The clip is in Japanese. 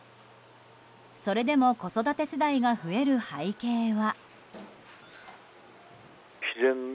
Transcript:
それでも子育て世代が増える背景は。